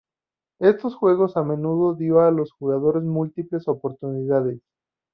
Estos juegos a menudo dio a los jugadores múltiples oportunidades.